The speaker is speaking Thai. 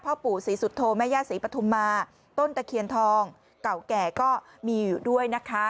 ปู่ศรีสุโธแม่ย่าศรีปฐุมาต้นตะเคียนทองเก่าแก่ก็มีอยู่ด้วยนะคะ